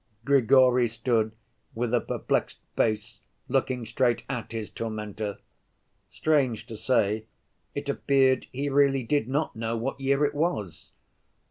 Grigory stood with a perplexed face, looking straight at his tormentor. Strange to say, it appeared he really did not know what year it was.